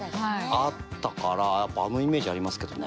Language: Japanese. あったからやっぱあのイメージありますけどね。